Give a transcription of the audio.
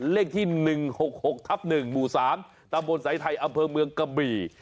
เลขที่๑๖๖ทับ๑หมู่๓ตามบนสายไทยอเมืองกระบี่